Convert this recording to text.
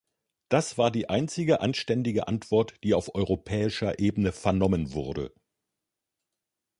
Das war die einzige anständige Antwort, die auf europäischer Ebene vernommen wurde.